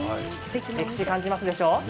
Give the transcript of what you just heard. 歴史を感じますでしょう。